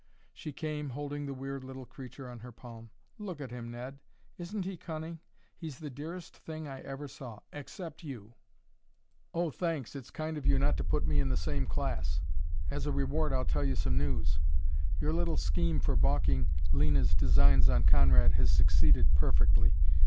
She came, holding the weird little creature on her palm. "Look at him, Ned! Isn't he cunning? He's the dearest thing I ever saw except you." "Oh, thanks; it's kind of you not to put me in the same class. As a reward I'll tell you some news. Your little scheme for balking Lena's designs on Conrad has succeeded perfectly.